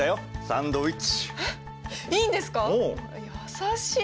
優しい。